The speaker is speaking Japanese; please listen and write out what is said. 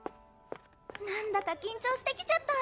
何だか緊張してきちゃった。